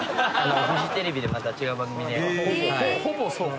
フジテレビでまた違う番組で。